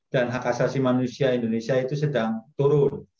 dan hak asasi manusia indonesia itu sedang turun